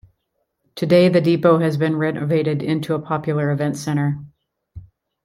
Today, the depot has been renovated into a popular events center.